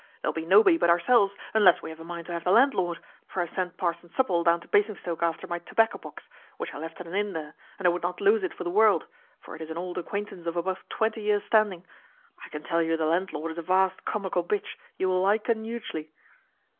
There will be nobody but ourselves, unless we have a mind to have the landlord; for I have sent Parson Supple down to Basingstoke after my tobacco box, which I left at an inn there, and I would not lose it for the world; for it is an old acquaintance of above twenty years' standing. I can tell you landlord is a vast comical bitch, you will like un hugely."